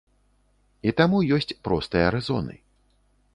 І таму ёсць простыя рэзоны.